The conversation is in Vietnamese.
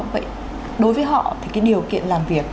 vậy đối với họ thì cái điều kiện làm việc